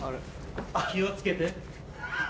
気を付けて。